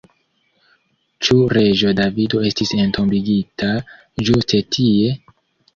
Ĉu reĝo Davido estis entombigita ĝuste tie?